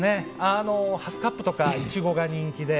ハスカップとかイチゴが人気で。